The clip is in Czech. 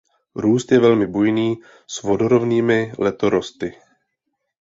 Růst je velmi bujný s vodorovnými letorosty.